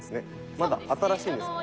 まだ新しいんですか？